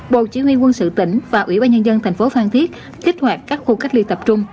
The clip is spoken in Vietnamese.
bộ chỉ huy quân sự tỉnh và ủy ban nhân dân thành phố phan thiết kích hoạt các khu cách ly tập trung